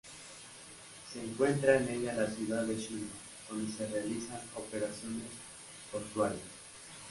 Se encuentra en ella la ciudad de Shima, donde se realizan operaciones portuarias.